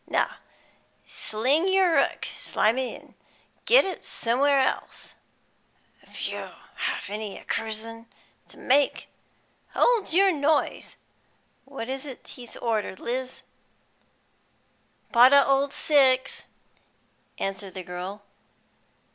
Now sling yer 'ook, Slimy, an' get it somewhere else." "If you've any accusion to make " "Hold yer noise! What's he ordered, Liz?" "Pot o' old six," answered the girl.